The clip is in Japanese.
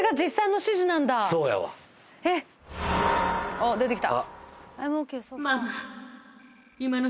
あっ出てきた。